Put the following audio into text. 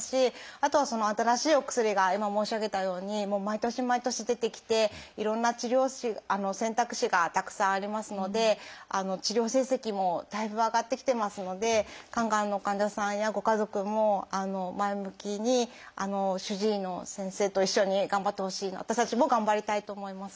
あとは新しいお薬が今申し上げたように毎年毎年出てきていろんな治療選択肢がたくさんありますので治療成績もだいぶ上がってきてますので肝がんの患者さんやご家族も前向きに主治医の先生と一緒に頑張ってほしい私たちも頑張りたいと思います。